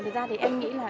thật ra thì em nghĩ là